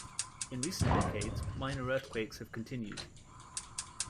In recent decades minor earthquakes have continued.